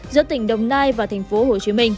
giữa tỉnh đồng nai và tp hcm